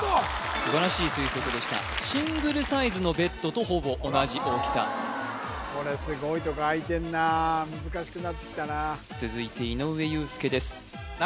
素晴らしい推測でしたシングルサイズのベッドとほぼ同じ大きさこれ難しくなってきたな続いて井上裕介です